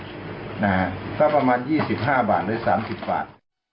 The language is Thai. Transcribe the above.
นะฮะก็ประมาณยี่สิบห้าบาทหรือสามสิบบาท